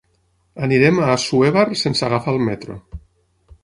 Anirem a Assuévar sense agafar el metro.